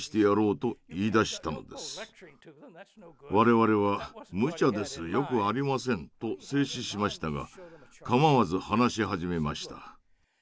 我々は「無茶ですよくありません」と制止しましたがかまわず話し始めました。